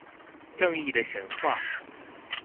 正義的神話